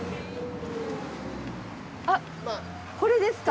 あっこれですか？